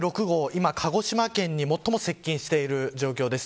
今、鹿児島県に最も接近している状況です。